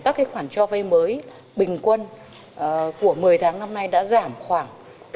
các khoản cho vai mới bình quân của một mươi tháng năm nay đã giảm khoảng ba